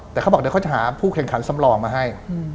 แต่เขาบอกเดี๋ยวเขาจะหาผู้แข่งขันสำรองมาให้